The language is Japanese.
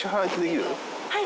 はい。